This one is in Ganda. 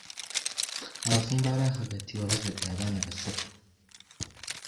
Abafumbo abaakagattibwa baazadde abaana basatu.